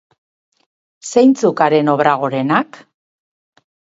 Zeintzuk haren obra gorenak?